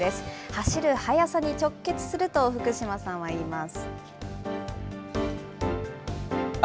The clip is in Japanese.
走る速さに直結すると、福島さんは言います。